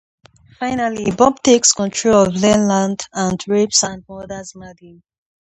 Finally, Bob takes control of Leland and rapes and murders Maddie.